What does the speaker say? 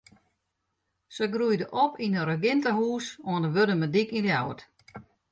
Se groeide op yn in regintehûs oan de Wurdumerdyk yn Ljouwert.